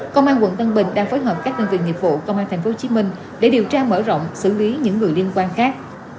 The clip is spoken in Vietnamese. công an quận tân bình đang phối hợp các đơn vị nghiệp vụ công an tp hcm để điều tra mở rộng xử lý những người liên quan khác